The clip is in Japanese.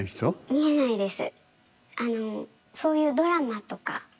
見えないです。